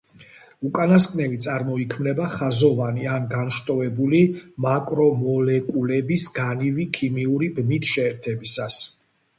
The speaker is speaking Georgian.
უკანასკნელი წარმოიქმნება ხაზოვანი ან განშტოებული მაკრომოლეკულების განივი ქიმიური ბმით შეერთებისას.